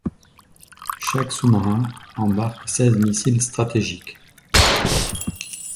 Chaque sous-marin embarque seize missiles stratégiques.